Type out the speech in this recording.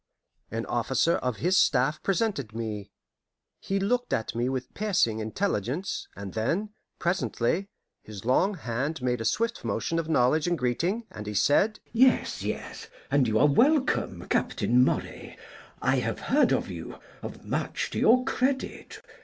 An officer of his staff presented me. He looked at me with piercing intelligence, and then, presently, his long hand made a swift motion of knowledge and greeting, and he said: "Yes, yes, and you are welcome, Captain Moray. I have heard of you, of much to your credit.